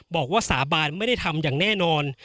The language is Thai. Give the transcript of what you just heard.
บอกว่าสาบานไม่ได้ทำอย่างแน่นอน